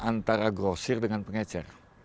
antara grosir dengan pengecer